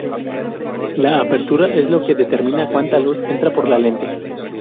La apertura es lo que determina cuánta luz entra por la lente.